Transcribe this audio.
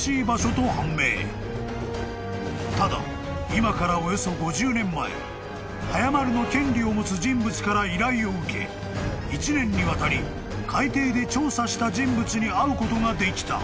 ［ただ今からおよそ５０年前早丸の権利を持つ人物から依頼を受け１年にわたり海底で調査した人物に会うことができた］